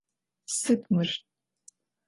Sıd mır?